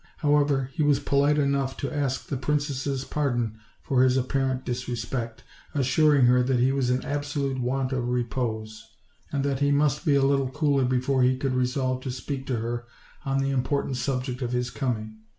However, he was polite enough to ask the princess' pardon for his apparent disrespect, assuring her that he was in absolute want of repose; and that he must be a little cooler before he could resolve to speak to her on the important subject of his coming.